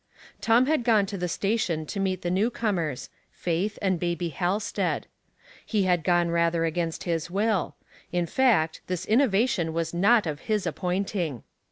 Tom had gone to the station to meet the new comers — Faith and Baby Halsted. He had gone rather against his will ; in fact, this innova tion was not of his appointing.